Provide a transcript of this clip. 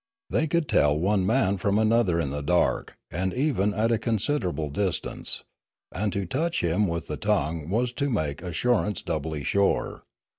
They could tell one man from another in the dark, and even at a considerable distance; and to touch him with the tongue was to make assurance doubly sure.